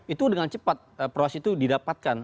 itu dengan cepat proas itu didapatkan